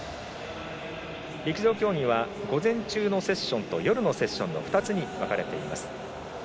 陸上競技は午前中のセッションと夜のセッションの２つに分かれています。